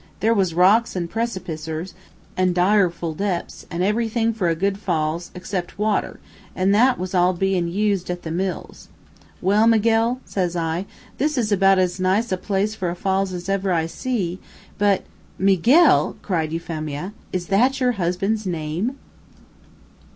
There was rocks and precipicers, an' direful depths, and everything for a good falls, except water, and that was all bein' used at the mills. 'Well, Miguel,' says I, 'this is about as nice a place for a falls as ever I see,' but " "Miguel!" cried Euphemia. "Is that your husband's name?"